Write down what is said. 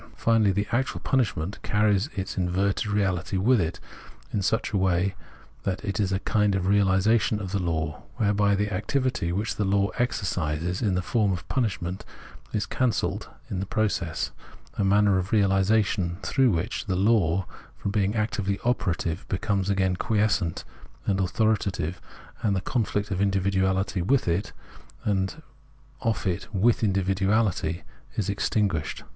Finally, the actual punishment carries its inverted reality with it, in such a way that it is a kind of realisa tion of the law, whereby the activity, which the law exercises in the form of punishment, is cancelled in the process, a manner of realisation through which the law, from being actively operative, becomes again quiescent and authoritative, and the conflict of indi viduality with it, and of it with individuality, is ex tinguished.